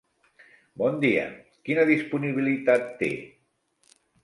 Bon dia, quina disponibilitat té?